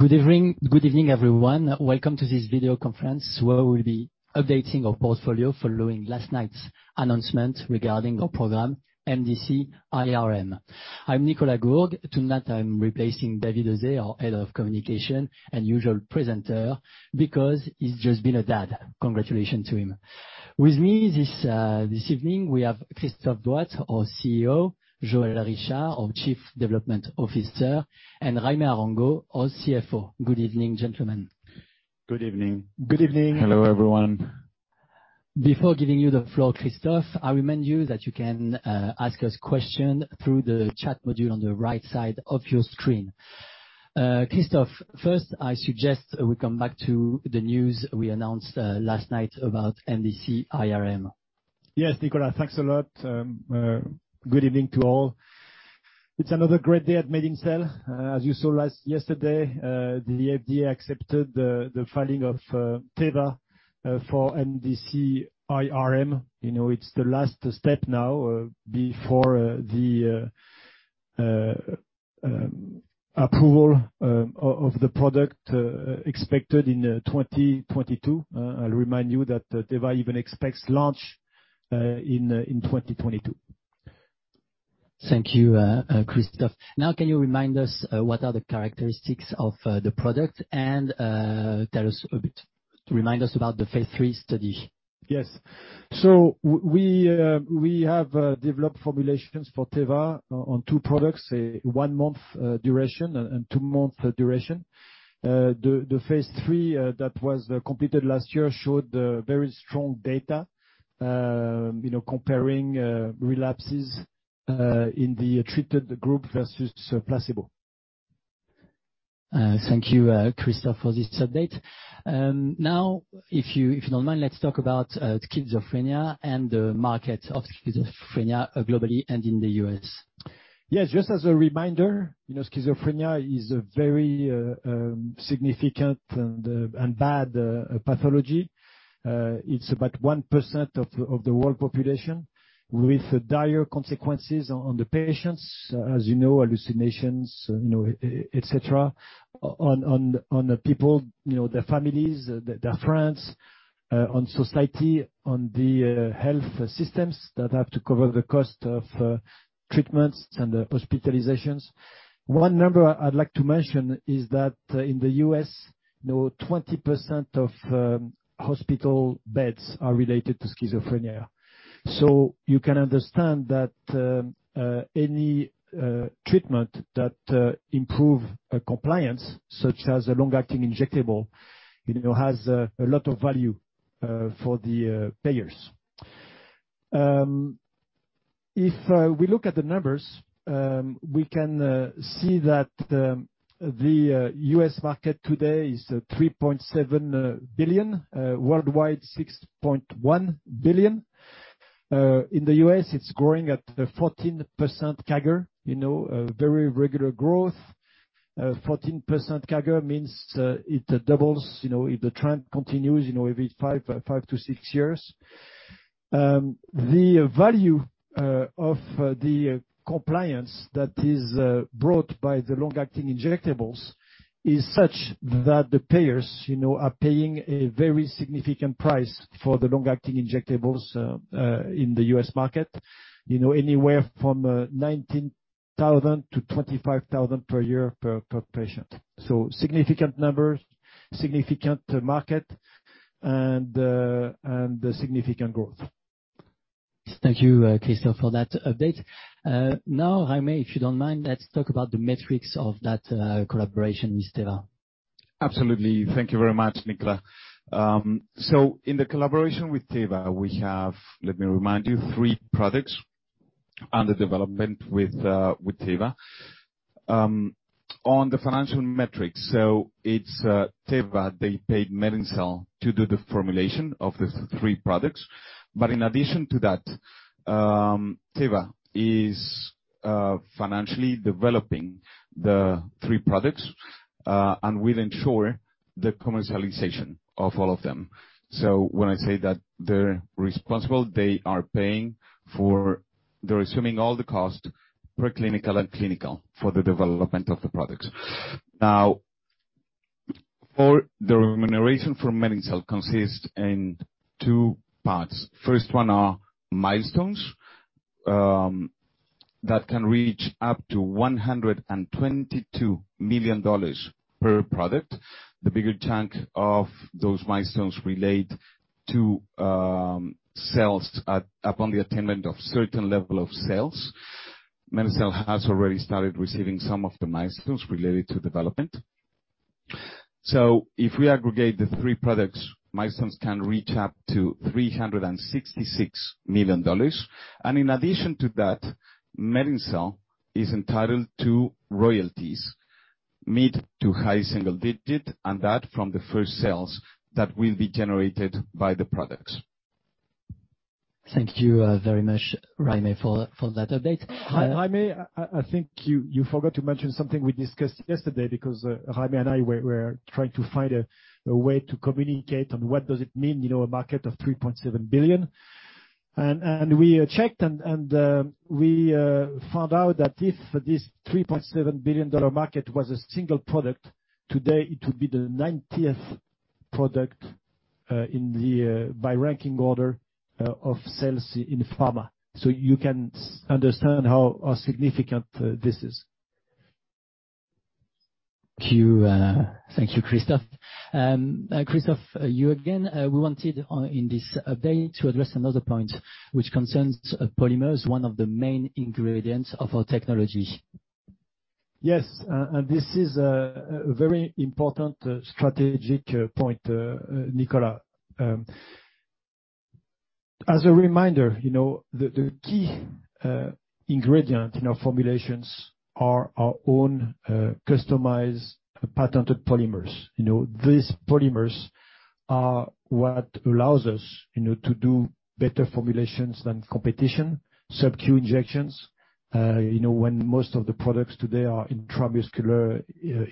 Good evening, everyone. Welcome to this video conference, where we'll be updating our portfolio following last night's announcement regarding our program, mdc-IRM. I'm Nicolas Gourgues. Tonight, I'm replacing David Heuzé, our Head of Communication and usual presenter, because he's just been a dad. Congratulations to him. With me this evening, we have Christophe Douat, our CEO, Joël Richard, our Chief Development Officer, and Jaime Arango, our CFO. Good evening, gentlemen. Good evening. Good evening. Hello, everyone. Before giving you the floor, Christophe, I remind you that you can ask us questions through the chat module on the right side of your screen. Christophe, first, I suggest we come back to the news we announced last night about mdc-IRM. Yes, Nicolas. Thanks a lot. Good evening to all. It's another great day at MedinCell. As you saw yesterday, the FDA accepted the filing of Teva for mdc-IRM. It's the last step now before the approval of the product expected in 2022. I'll remind you that Teva even expects launch in 2022. Thank you, Christophe. Can you remind us what are the characteristics of the product and tell us a bit, remind us about the phase III study? Yes. We have developed formulations for Teva on two products, a one-month duration and two-month duration. The phase III that was completed last year showed very strong data, comparing relapses in the treated group versus placebo. Thank you, Christophe, for this update. If you don't mind, let's talk about schizophrenia and the market of schizophrenia globally and in the U.S. Yes. Just as a reminder, schizophrenia is a very significant and bad pathology. It's about 1% of the world population with dire consequences on the patients, as you know, hallucinations, et cetera, on the people, their families, their friends, on society, on the health systems that have to cover the cost of treatments and hospitalizations. One number I'd like to mention is that in the U.S., now 20% of hospital beds are related to schizophrenia. You can understand that any treatment that improves compliance, such as a long-acting injectable, has a lot of value for the payers. If we look at the numbers, we can see that the U.S. market today is $3.7 billion, worldwide $6.1 billion. In the U.S., it's growing at 14% CAGR, very regular growth. 14% CAGR means it doubles, if the trend continues, every five to six years. The value of the compliance that is brought by the long-acting injectables is such that the payers are paying a very significant price for the long-acting injectables in the U.S. market, anywhere from 19,000-25,000 per year per patient. Significant numbers, significant market, and significant growth. Thank you, Christophe, for that update. Jaime, if you don't mind, let's talk about the metrics of that collaboration with Teva. Absolutely. Thank you very much, Nicolas. In the collaboration with Teva, we have, let me remind you, three products under development with Teva. On the financial metrics, so it's Teva, they paid MedinCell to do the formulation of the three products. In addition to that, Teva is financially developing the three products, and will ensure the commercialization of all of them. When I say that they're responsible, they're assuming all the cost, preclinical and clinical, for the development of the products. Now, the remuneration for MedinCell consists in two parts. First one are milestones that can reach up to $122 million per product. The bigger chunk of those milestones relate to sales, upon the attainment of certain level of sales. MedinCell has already started receiving some of the milestones related to development. If we aggregate the three products, milestones can reach up to $366 million. In addition to that, MedinCell is entitled to royalties, mid to high single-digit, and that from the first sales that will be generated by the products. Thank you very much, Jaime, for that update. Jaime, I think you forgot to mention something we discussed yesterday because Jaime and I were trying to find a way to communicate on what does it mean, a market of 3.7 billion. We checked and we found out that if this EUR 3.7 billion market was a single product today, it would be the 90th product by ranking order of sales in pharma. You can understand how significant this is. Thank you, Christophe. Christophe, you again, we wanted in this update to address another point which concerns polymers, one of the main ingredients of our technology. Yes, this is a very important strategic point, Nicolas. As a reminder, the key ingredient in our formulations are our own customized patented polymers. These polymers are what allows us to do better formulations than competition, subcutaneous injections, when most of the products today are intramuscular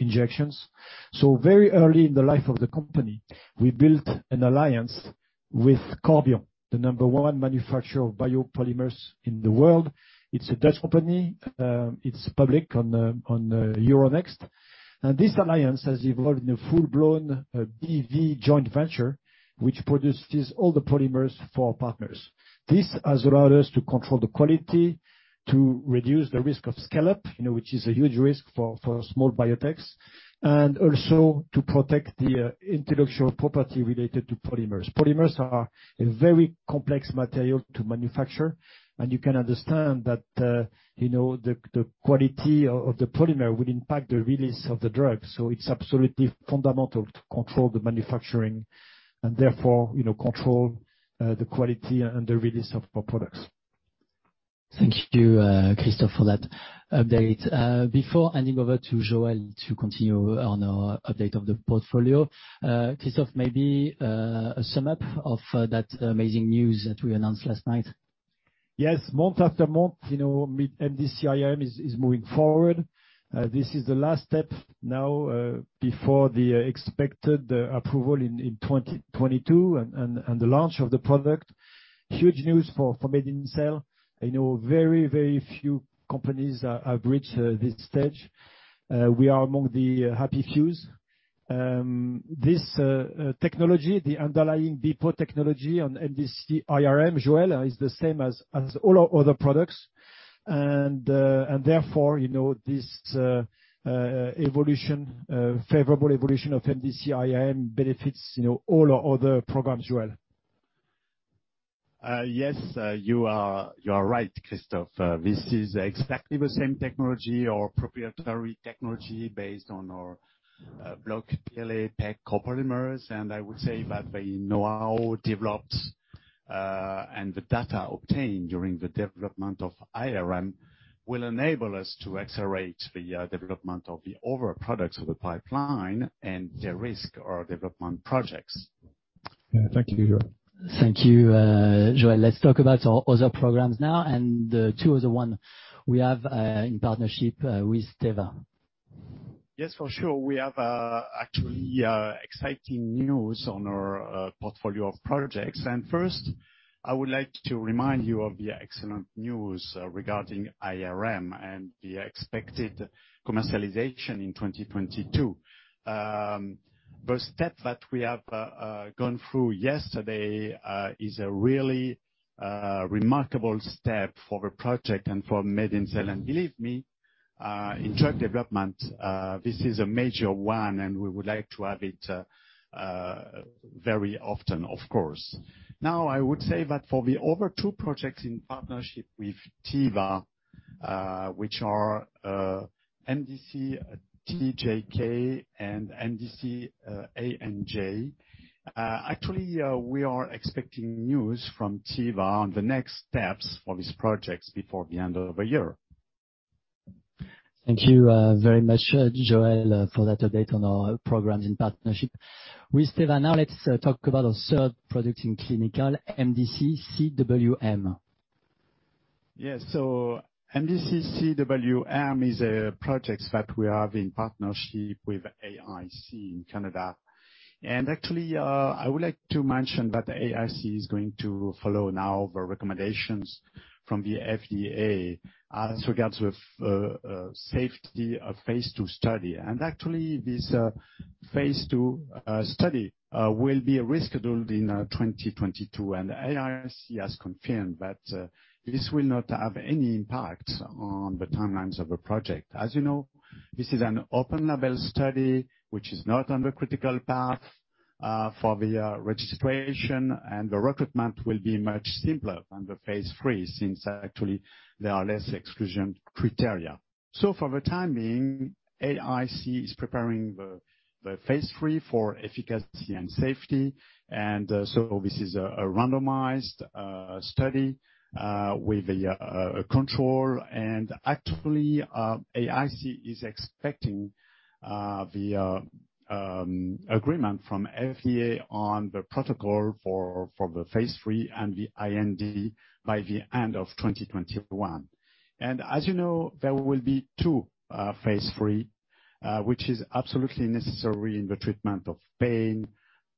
injections. Very early in the life of the company, we built an alliance with Corbion, the number one manufacturer of biopolymers in the world. It's a Dutch company. It's public on Euronext. This alliance has evolved in a full-blown BV joint venture, which produces all the polymers for our partners. This has allowed us to control the quality, to reduce the risk of scale-up, which is a huge risk for small biotechs, and also to protect the intellectual property related to polymers. Polymers are a very complex material to manufacture, and you can understand that the quality of the polymer will impact the release of the drug. It's absolutely fundamental to control the manufacturing and therefore control the quality and the release of our products. Thank you, Christophe, for that update. Before handing over to Joël to continue on our update of the portfolio, Christophe, maybe a sum-up of that amazing news that we announced last night. Yes. Month after month, mdc-IRM is moving forward. This is the last step now, before the expected approval in 2022 and the launch of the product. Huge news for MedinCell. Very few companies have reached this stage. We are among the happy few. This technology, the underlying depot technology on mdc-IRM, Joël, is the same as all our other products, and therefore this favorable evolution of mdc-IRM benefits all our other programs, Joël. Yes, you are right, Christophe. This is exactly the same technology or proprietary technology based on our block PEG-PLA copolymers. I would say that the know-how developed, and the data obtained during the development of IRM will enable us to accelerate the development of the other products of the pipeline and de-risk our development projects. Thank you, Joël. Thank you, Joël. Let's talk about our other programs now and the two other one we have in partnership with Teva. Yes, for sure. We have actually exciting news on our portfolio of projects. First, I would like to remind you of the excellent news regarding mdc-IRM and the expected commercialization in 2022. The step that we have gone through yesterday is a really remarkable step for the project and for MedinCell. Believe me, in drug development, this is a major one and we would like to have it very often, of course. Now, I would say that for the other two projects in partnership with Teva, which are mdc-TJK and mdc-ANG, actually, we are expecting news from Teva on the next steps for these projects before the end of the year. Thank you very much, Joël, for that update on our programs in partnership with Teva. Let's talk about our third product in clinical, mdc-CWM. Yes. mdc-CWM is a project that we have in partnership with AIC in Canada. I would like to mention that AIC is going to follow now the recommendations from the FDA as regards with safety of phase II study. This phase II study will be rescheduled in 2022. AIC has confirmed that this will not have any impact on the timelines of the project. As you know, this is an open-label study which is not on the critical path for the registration, and the recruitment will be much simpler than the phase III, since actually there are less exclusion criteria. For the time being, AIC is preparing the phase III for efficacy and safety. This is a randomized study with a control. Actually, AIC is expecting the agreement from FDA on the protocol for the phase III and the IND by the end of 2021. As you know, there will be two phase III, which is absolutely necessary in the treatment of pain,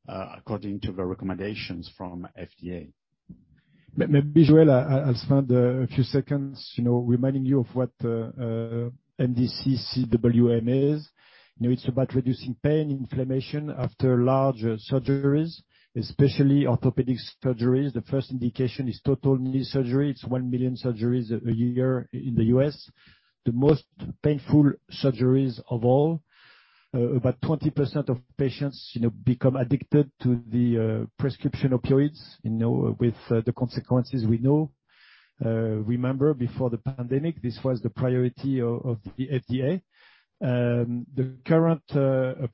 according to the recommendations from FDA. Maybe, Joël, I'll spend a few seconds reminding you of what mdc-CWM is. It's about reducing pain, inflammation after large surgeries, especially orthopedic surgeries. The first indication is total knee surgery. It's 1 million surgeries a year in the U.S. The most painful surgeries of all. About 20% of patients become addicted to the prescription opioids, with the consequences we know. Remember, before the pandemic, this was the priority of the FDA. The current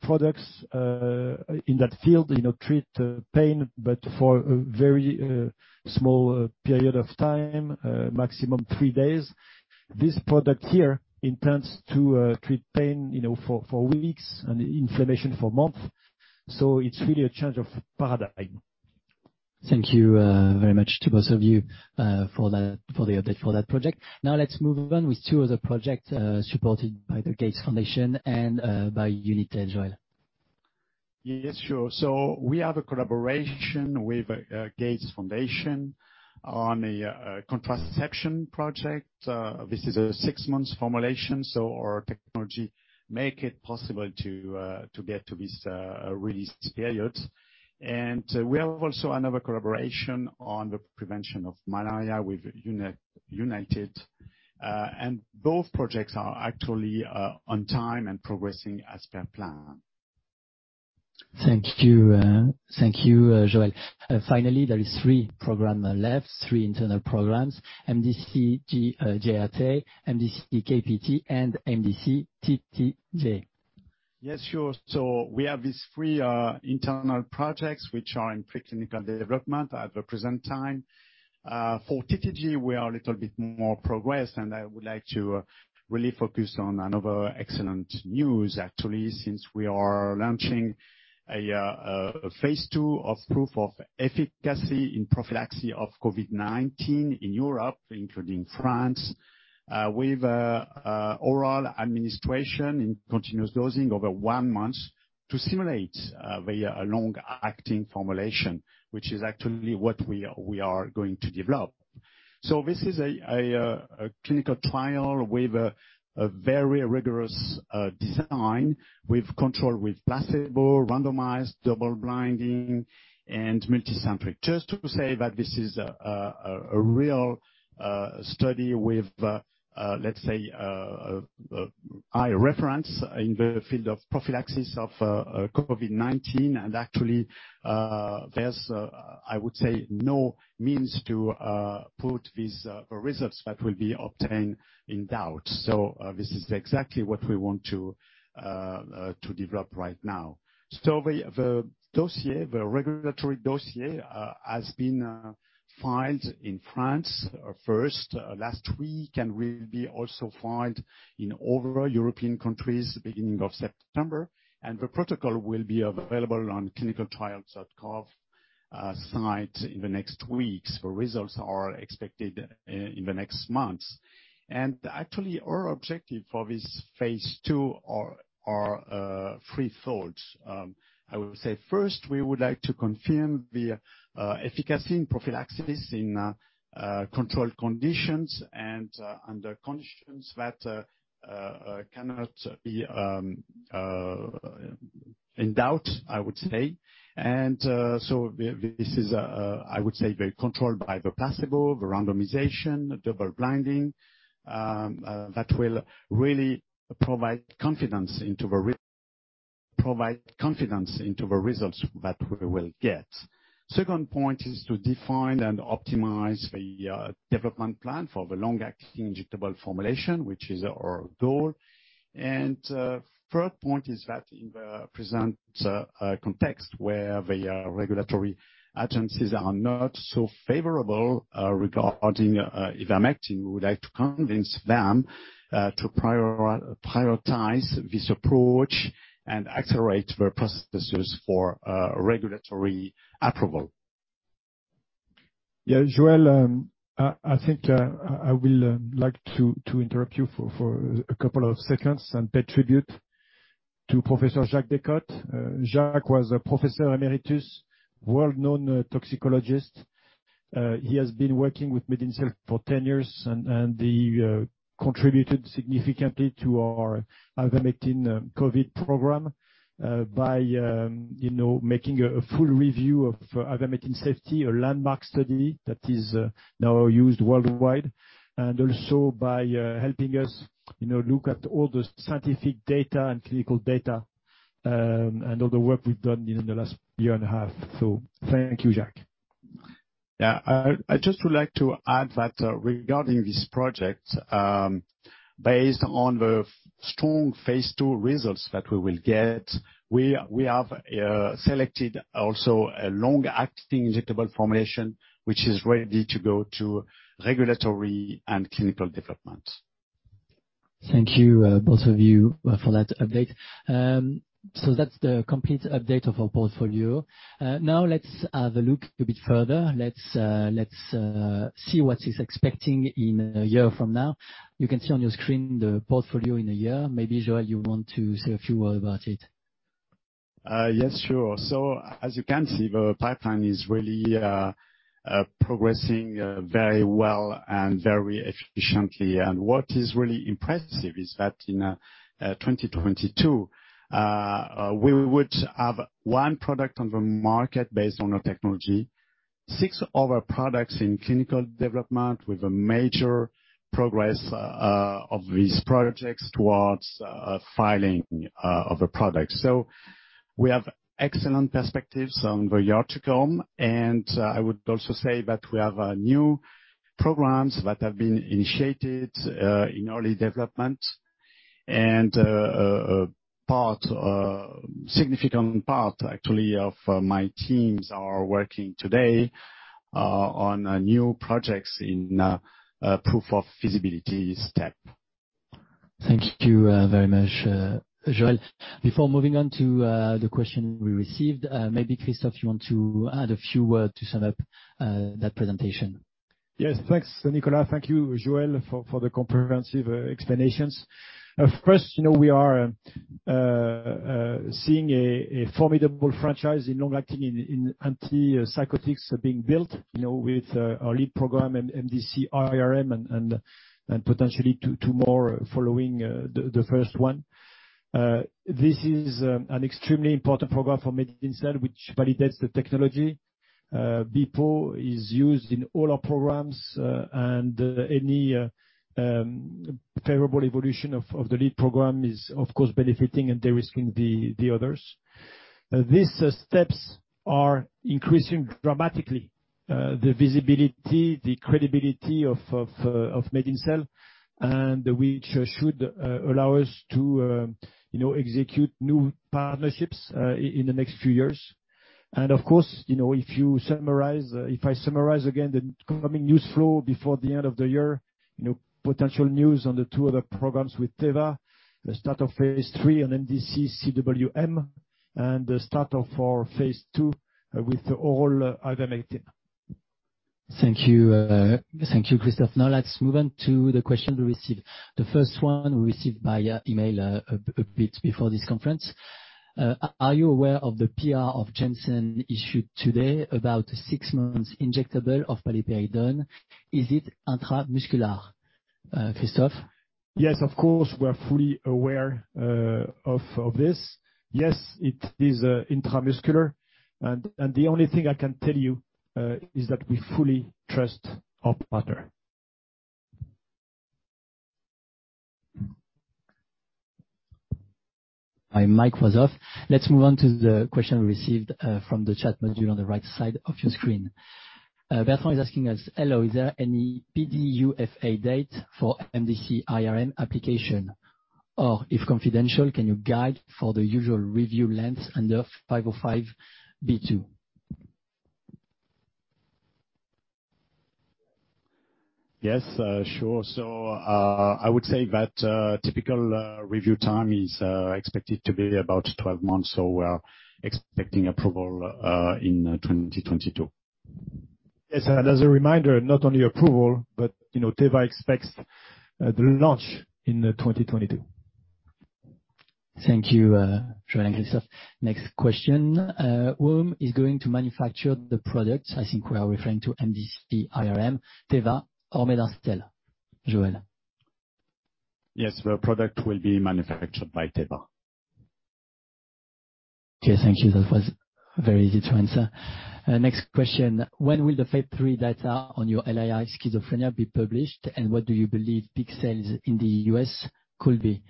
products in that field treat pain, but for a very small period of time, maximum three days. This product here intends to treat pain for weeks and inflammation for months. It's really a change of paradigm. Thank you very much to both of you for the update for that project. Now let's move on with two other projects supported by the Gates Foundation and by Unitaid, Joël. Yes, sure. We have a collaboration with Gates Foundation on a contraception project. This is a six-month formulation, our technology make it possible to get to this release period. We have also another collaboration on the prevention of malaria with Unitaid. Both projects are actually on time and progressing as per plan. Thank you Joël. Finally, there is three program left, three internal programs, mdc-JAT, mdc-KPT, and mdc-TTG. Yes, sure. We have these three internal projects which are in preclinical development at the present time. For -TTG, we are a little bit more progressed, and I would like to really focus on another excellent news, actually, since we are launching a phase II of proof of efficacy in prophylaxis of COVID-19 in Europe, including France, with oral administration in continuous dosing over one month to simulate the long-acting formulation, which is actually what we are going to develop. This is a clinical trial with a very rigorous design. We've controlled with placebo, randomized, double-blinding, and multicentric. Just to say that this is a real study with, let's say, a high reference in the field of prophylaxis of COVID-19. Actually, there's, I would say, no means to put these results that will be obtained in doubt. This is exactly what we want to develop right now. The regulatory dossier has been filed in France first, last week, and will be also filed in other European countries beginning of September. The protocol will be available on clinicaltrials.gov site in the next weeks. The results are expected in the next months. Actually, our objective for this phase II are three thoughts. I would say first, we would like to confirm the efficacy in prophylaxis in controlled conditions and under conditions that cannot be in doubt, I would say. This is, I would say, controlled by the placebo, the randomization, double blinding, that will really provide confidence into the results that we will get. Second point is to define and optimize the development plan for the long-acting injectable formulation, which is our goal. Third point is that in the present context, where the regulatory agencies are not so favorable regarding ivermectin, we would like to convince them to prioritize this approach and accelerate the processes for regulatory approval. Yeah, Joël, I think I will like to interrupt you for a couple of seconds and pay tribute to Professor Jacques Descotes. Jacques was a professor emeritus, world-known toxicologist. He has been working with MedinCell for 10 years, and he contributed significantly to our ivermectin COVID program by making a full review of ivermectin safety, a landmark study that is now used worldwide, and also by helping us look at all the scientific data and clinical data, and all the work we've done in the last year and a half. Thank you, Jacques. Yeah. I just would like to add that regarding this project, based on the strong phase II results that we will get, we have selected also a long-acting injectable formulation, which is ready to go to regulatory and clinical development. Thank you, both of you, for that update. That's the complete update of our portfolio. Now let's have a look a bit further. Let's see what is expecting in a year from now. You can see on your screen the portfolio in a year. Maybe, Joël, you want to say a few words about it? Yes, sure. As you can see, the pipeline is really progressing very well and very efficiently. What is really impressive is that in 2022, we would have one product on the market based on our technology, six other products in clinical development with a major progress of these projects towards filing of a product. We have excellent perspectives on the year to come. I would also say that we have new programs that have been initiated in early development. A significant part, actually, of my teams are working today on new projects in a proof of feasibility step. Thank you very much, Joël. Before moving on to the question we received, maybe Christophe, you want to add a few words to sum up that presentation? Yes. Thanks, Nicolas. Thank you, Joël, for the comprehensive explanations. First, we are seeing a formidable franchise in long-acting in antipsychotics being built, with our lead program, mdc-IRM and potentially two more following the first one. This is an extremely important program for MedinCell, which validates the technology. BEPO is used in all our programs, and any favorable evolution of the lead program is, of course, benefiting and de-risking the others. These steps are increasing dramatically the visibility, the credibility of MedinCell, and which should allow us to execute new partnerships in the next few years. Of course, if I summarize again the coming news flow before the end of the year, potential news on the two other programs with Teva, the start of phase III on mdc-CWM, and the start of our phase II with oral ivermectin. Thank you Christophe. Now let's move on to the question we received. The first one we received via email a bit before this conference. Are you aware of the PR of Janssen issued today about six months injectable of paliperidone? Is it intramuscular? Christophe? Yes, of course. We are fully aware of this. Yes, it is intramuscular. The only thing I can tell you is that we fully trust our partner. My mic was off. Let's move on to the question we received from the chat module on the right side of your screen. Bertrand is asking us, "Hello, is there any PDUFA date for mdc-IRM application? Or if confidential, can you guide for the usual review length under 505(b)(2)? Yes. Sure. I would say that typical review time is expected to be about 12 months. We are expecting approval in 2022. Yes. As a reminder, not only approval, but Teva expects the launch in 2022. Thank you, Joël and Christophe. Next question. Whom is going to manufacture the product? I think we are referring to mdc-IRM, Teva or MedinCell? Joël. Yes, the product will be manufactured by Teva. Okay, thank you. That was very easy to answer. Next question. When will the phase III data on your LAI schizophrenia be published, and what do you believe peak sales in the U.S. could be?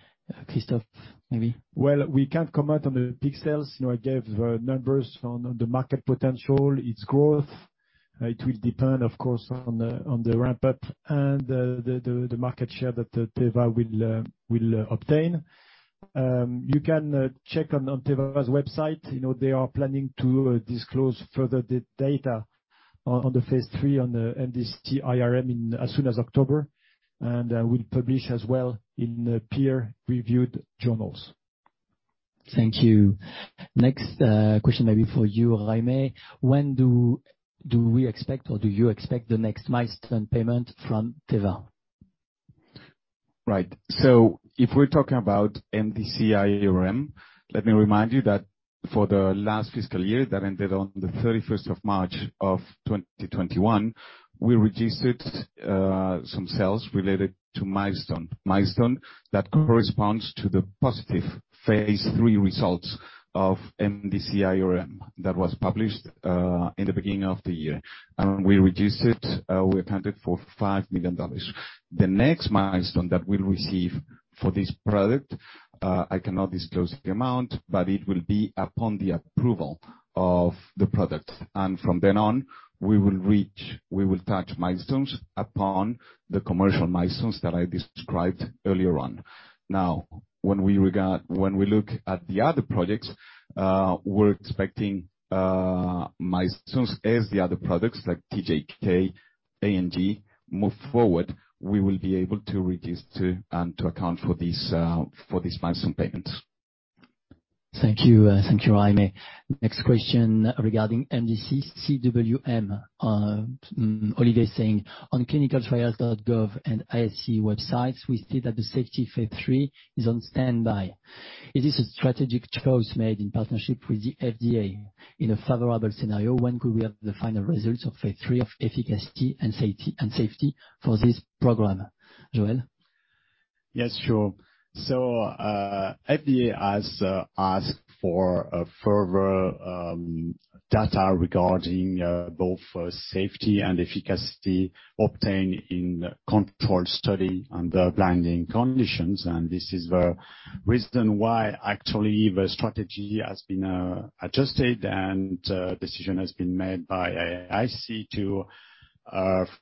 Christophe, maybe. We can't comment on the peak sales. I gave the numbers on the market potential, its growth. It will depend, of course, on the ramp-up and the market share that Teva will obtain. You can check on Teva's website. They are planning to disclose further the data on the phase III on the mdc-IRM as soon as October, and will publish as well in peer-reviewed journals. Thank you. Next question may be for you, Jaime. When do we expect or do you expect the next milestone payment from Teva? Right. If we're talking about mdc-IRM, let me remind you that for the last fiscal year that ended on the 31st of March of 2021, we registered some sales related to milestone. Milestone that corresponds to the positive phase III results of mdc-IRM that was published in the beginning of the year. We accounted for $5 million. The next milestone that we'll receive for this product, I cannot disclose the amount, but it will be upon the approval of the product. From then on, we will touch milestones upon the commercial milestones that I described earlier on. Now, when we look at the other projects, we're expecting milestones as the other products like TJK, ANG move forward, we will be able to account for these milestone payments. Thank you, Jaime. Next question regarding mdc-CWM. Olivier is saying, "On clinicaltrials.gov and websites, we see that the safety phase III is on standby. Is this a strategic choice made in partnership with the FDA? In a favorable scenario, when could we have the final results of phase III of efficacy and safety for this program?" Joël? Yes, sure. FDA has asked for further data regarding both safety and efficacy obtained in controlled study under blinding conditions. This is the reason why actually the strategy has been adjusted, and a decision has been made by AIC to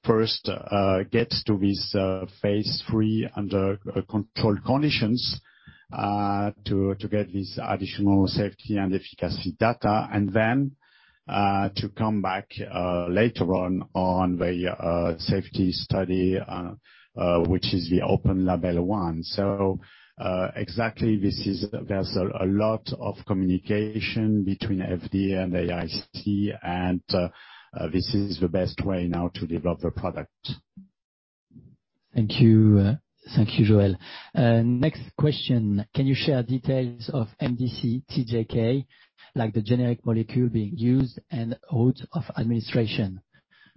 first get to this phase III under controlled conditions to get this additional safety and efficacy data, and then to come back later on the safety study, which is the open-label one. Exactly, there's a lot of communication between FDA and AIC, and this is the best way now to develop the product. Thank you, Joël. Next question. Can you share details of mdc-TJK, like the generic molecule being used and route of administration?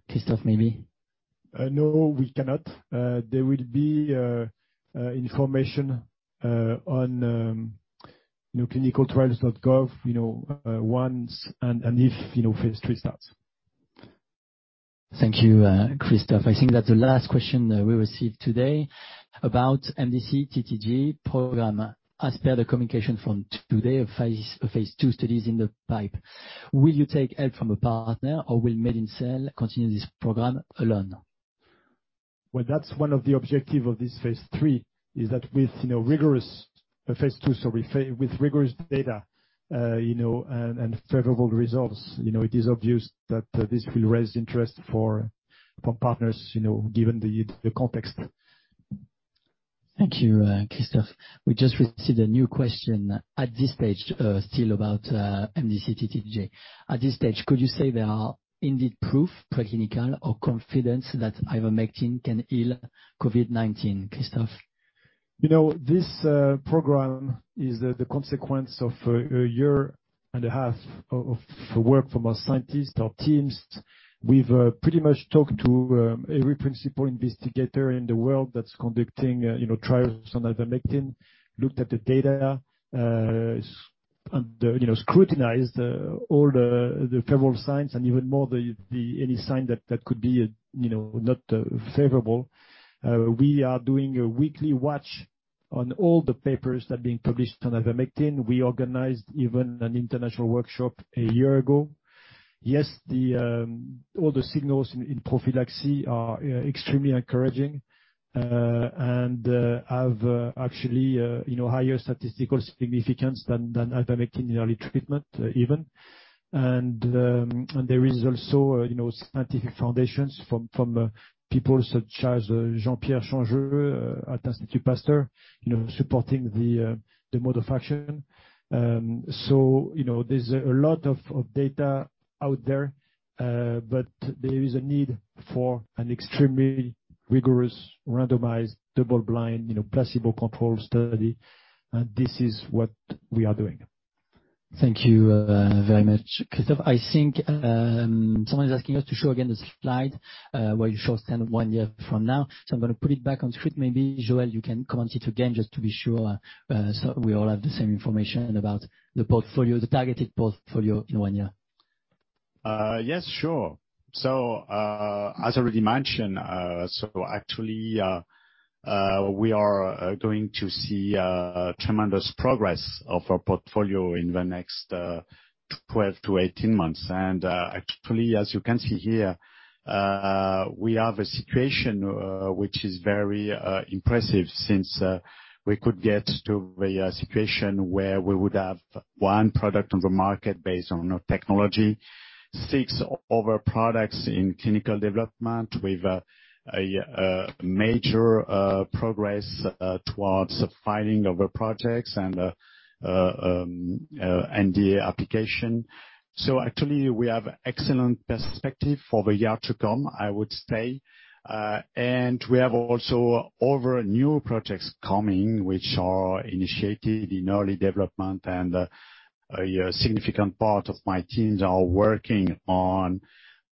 Christophe, maybe? No, we cannot. There will be information on clinicaltrials.gov once and if phase III starts. Thank you, Christophe. I think that's the last question we received today about mdc-TTG program. As per the communication from today, a phase II study's in the pipe. Will you take help from a partner, or will MedinCell continue this program alone? Well, that's one of the objectives, is that with rigorous phase II, sorry, with rigorous data and favorable results, it is obvious that this will raise interest for partners, given the context. Thank you, Christophe. We just received a new question at this stage, still about mdc-TTG. At this stage, could you say there are indeed proof, preclinical or confidence that ivermectin can heal COVID-19? Christophe. This program is the consequence of a year and a half of work from our scientists, our teams. We've pretty much talked to every principal investigator in the world that's conducting trials on ivermectin, looked at the data, and scrutinized all the favorable signs and even more any sign that could be not favorable. We are doing a weekly watch on all the papers that are being published on ivermectin. We organized even an international workshop a year ago. Yes, all the signals in prophylaxis are extremely encouraging and have actually higher statistical significance than ivermectin in early treatment, even. There is also scientific foundations from people such as Jean-Pierre Changeux at Institut Pasteur supporting the mode of action. There's a lot of data out there. There is a need for an extremely rigorous randomized double blind placebo-controlled study, and this is what we are doing. Thank you very much, Christophe. I think someone's asking us to show again the slide, where you show standard one year from now. I'm going to put it back on the screen. Maybe, Joël, you can comment it again just to be sure so we all have the same information about the targeted portfolio in one year. Yes, sure. As already mentioned, actually, we are going to see tremendous progress of our portfolio in the next 12-18 months. Actually, as you can see here, we have a situation which is very impressive since we could get to the situation where we would have one product on the market based on our technology, six other products in clinical development with a major progress towards the filing of our projects and the NDA application. Actually, we have excellent perspective for the year to come, I would say. We have also other new projects coming which are initiated in early development, and a significant part of my teams are working on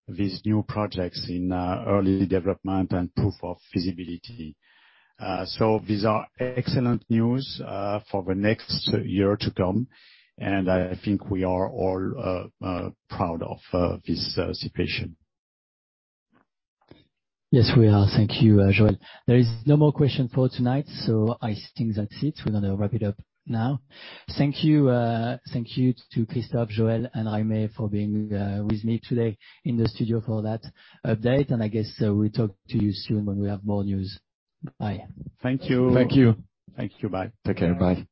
these new projects in early development and proof of feasibility. These are excellent news for the next year to come, and I think we are all proud of this situation. Yes, we are. Thank you, Joël. There is no more question for tonight. I think that's it. We're going to wrap it up now. Thank you to Christophe, Joël, and Jaime for being with me today in the studio for that update. I guess we'll talk to you soon when we have more news. Bye. Thank you. Thank you. Thank you. Bye. Take care. Bye.